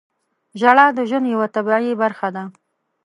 • ژړا د ژوند یوه طبیعي برخه ده.